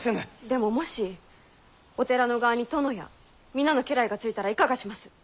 でももしお寺の側に殿や皆の家来がついたらいかがします？